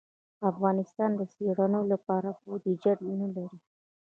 افغانستان د څېړنو لپاره بودیجه نه لري.